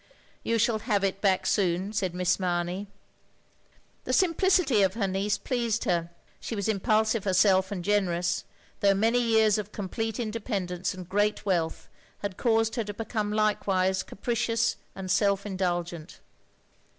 "You shall have it back soon," said Miss Mamey. The simplicity of her niece pleased her. She was impulsive herself, and generotis, though noany years of complete independence and great wealth had caused her to become likewise ca pricious and self indulgent.